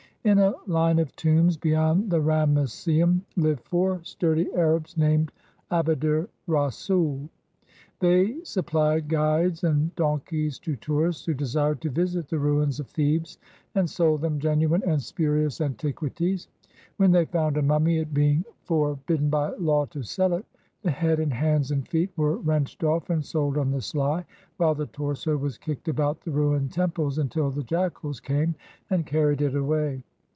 In a line of tombs beyond the Ramesseum lived four sturdy Arabs named Abd er Rasoul. They suppUed guides and donkeys to tourists who desired to visit the ruins of Thebes, and sold them genuine and spurious antiquities. When they found a mummy, it being for bidden by law to sell it, the head and hands and feet were wrenched off and sold on the sly, while the torso was kicked about the ruined temples until the jackals came and carried it away.